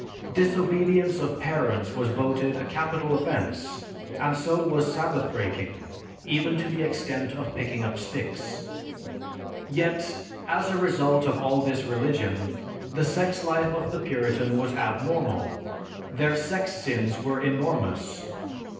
Disobedience of parents was voted a capital offense and so was Sabbath breaking even to the extent of picking up sticks. "Yet, as a result of all this religion, the sex life of the Puritan was abnormal.... Their sex sins were enormous.